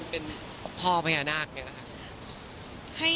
เป็นพ่อของผ่าน่าของนี่หรอคะ